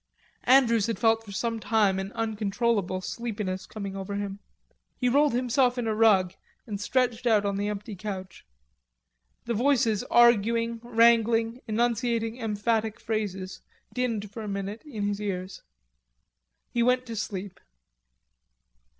Andrews had felt for some time an uncontrollable sleepiness coming over him. He rolled himself on a rug and stretched out on the empty couch. The voices arguing, wrangling, enunciating emphatic phrases, dinned for a minute in his ears. He went to sleep.